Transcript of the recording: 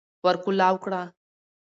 ور کولاو کړه